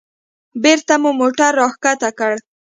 بېرته مو موټر راښکته کړ.